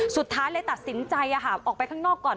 สุดท้ายเลยตัดสินใจออกไปข้างนอกก่อน